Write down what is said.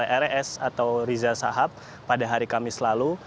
inisial ris atau riza sahab pada hari kamis lalu